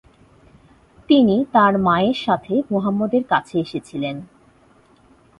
তিনি তাঁর মার সাথে মুহাম্মাদ এর কাছে এসেছিলেন।